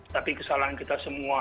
tapi kesalahan kita semua